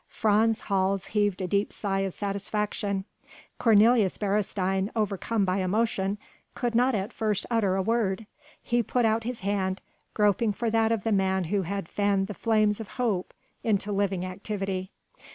Frans Hals heaved a deep sigh of satisfaction. Cornelius Beresteyn, overcome by emotion, could not at first utter a word. He put out his hand, groping for that of the man who had fanned the flames of hope into living activity.